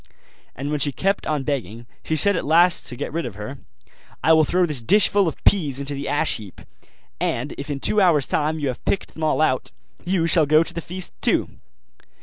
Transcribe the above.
And when she kept on begging, she said at last, to get rid of her, 'I will throw this dishful of peas into the ash heap, and if in two hours' time you have picked them all out, you shall go to the feast too.